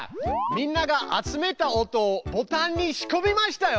みんなが集めた音をボタンにしこみましたよ。